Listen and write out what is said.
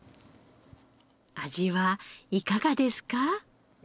味はいかがですか？